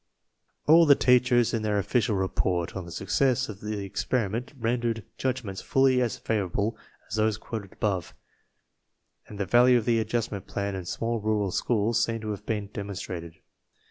All the teachers in their official report on the success of the experiment rendered judgments fully as favor able as those quoted above, and the value of the Ad justment Plan in small rural schools seems to have been demonstrated.